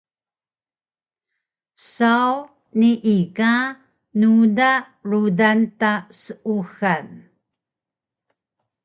Saw nii ka nuda rudan ta seuxal